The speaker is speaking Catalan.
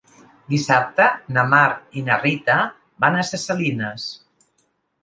Dissabte na Mar i na Rita van a Ses Salines.